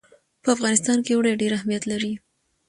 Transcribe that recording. په افغانستان کې اوړي ډېر اهمیت لري.